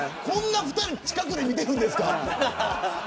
こんなに２人は近くで見てるんですか。